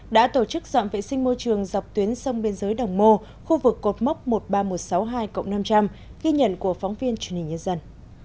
đã tổ chức dọn vệ sinh môi trường dọc tuyến sông biên giới đồng mô khu vực cột mốc một mươi ba nghìn một trăm sáu mươi hai năm trăm linh ghi nhận của phóng viên truyền hình nhân dân